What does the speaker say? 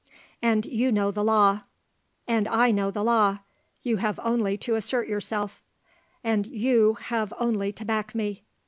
"And you know the law." "And I know the law. You have only to assert yourself." "And you have only to back me."